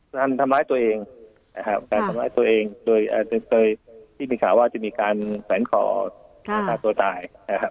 การทำร้ายตัวเองโดยที่มีข่าวว่าจะมีการแฝนขอตัวตาย